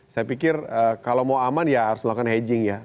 saya pikir kalau mau aman ya harus melakukan hedging ya